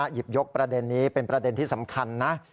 หยิบยกประเด็นนี้เป็นประเด็นที่สำคัญนะ